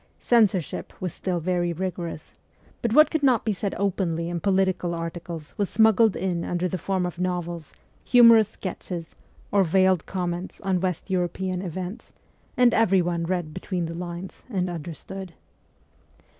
Censorship was still very rigorous ; but what could not be said openly in political articles was smuggled in under the form of novels, humorous sketches, or veiled com ments on West European events, and everyone read between the lines and understood.